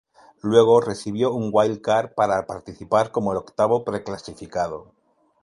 Luego, recibió un wild card para participar del como el octavo preclasificado.